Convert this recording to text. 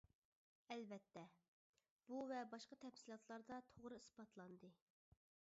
ئەلۋەتتە ، بۇ ۋە باشقا تەپسىلاتلاردا توغرا ئىسپاتلاندى.